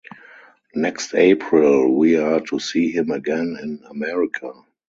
Next April we are to see him again in America.